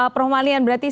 perhomalian berarti sih